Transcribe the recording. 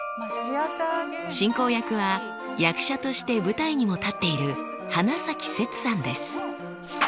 進行役は役者として舞台にも立っている花崎攝さんです。